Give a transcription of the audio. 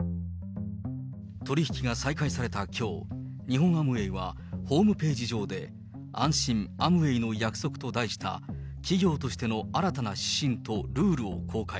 取り引きが再開されたきょう、日本アムウェイは、ホームページ上で安心、アムウェイの約束と題した企業としての新たな指針とルールを公開。